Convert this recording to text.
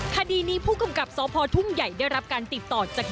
คดีนี้ผู้กำกับสพทุ่งใหญ่ได้รับการติดต่อจาก